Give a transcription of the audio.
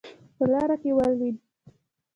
په لاره کې ولیدل.